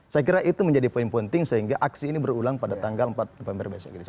saya kira itu menjadi poin penting sehingga aksi ini berulang pada tanggal empat november besok